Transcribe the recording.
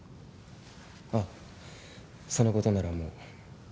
ああそのことならもう